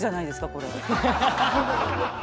これ。